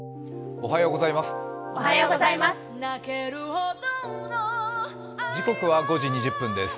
おはようございます。